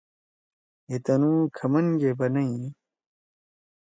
ہے تنُو کھمن گے بنئی: